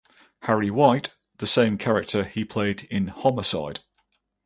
Harry White - the same character he played in "Homicide".